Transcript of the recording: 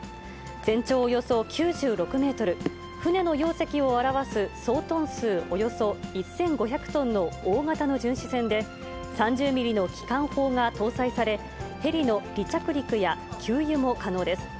全長およそ９６メートル、船の容積を表す総トン数およそ１５００トンの大型の巡視船で、３０ミリの機関砲が搭載され、ヘリの離着陸や給油も可能です。